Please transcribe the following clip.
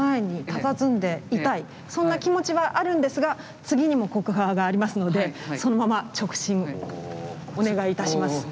そんな気持ちはあるんですが次にも国宝がありますのでそのまま直進お願いいたします。